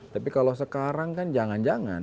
tapi kalau sekarang kan jangan jangan